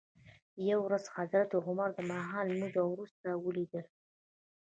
یوه ورځ حضرت عمر دماښام لمانځه وروسته ولید ل.